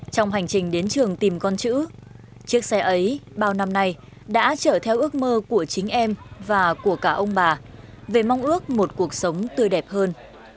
trong hành trình đến trường tìm con chữ chiếc xe ấy bao năm nay đã trở theo ước mơ của chính em và của cả ông bà về mong ước một cuộc sống tươi đẹp hơn